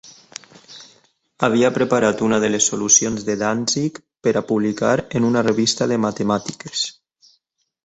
Havia preparat una de les solucions de Dantzig per a publicar en una revista de matemàtiques.